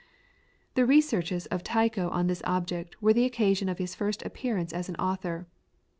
The researches of Tycho on this object were the occasion of his first appearance as an author.